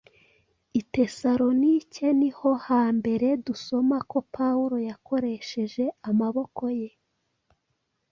I Tesalonike ni ho hambere dusoma ko Pawulo yakoresheje amaboko ye